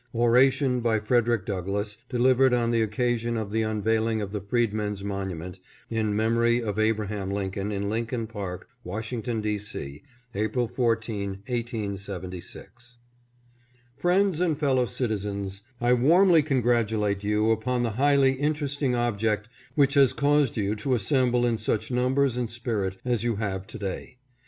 ORATION BY FREDERICK DOUGLASS, DELIVERED ON THE OCCA SION OP THE UNVEILING OF THE FREEDMEN'S MONUMENT, IN MEMORY OF ABRAHAM LINCOLN, IN LINCOLN PARK, WASHINGTON, D. C, APRIL 14, 1876. Friends and Fellow Citizens : I warmly congratulate you upon the highly interesting object which has caused you to assemble in such num bers and spirit as you have to day.